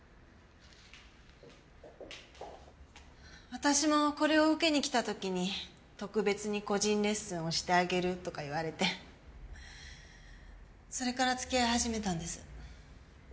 私もこれを受けに来た時に特別に個人レッスンをしてあげるとか言われてそれから付き合い始めたんです。